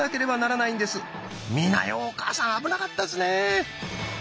美奈代お母さん危なかったですね。